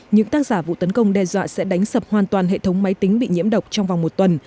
những tác giả vụ tấn công đe dọa sẽ đánh sập hoàn toàn hệ thống máy tính bị nhiễm độc trong vòng một tuần